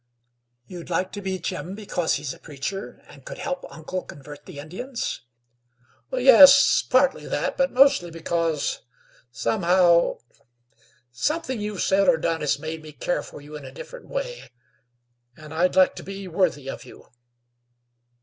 "You'd like to be Jim because he's a preacher, and could help uncle convert the Indians?" "Yes, partly that, but mostly because somehow something you've said or done has made me care for you in a different way, and I'd like to be worthy of you."